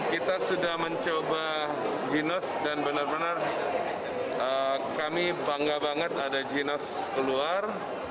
kita sudah mencoba ginos dan benar benar kami bangga banget ada ginos keluar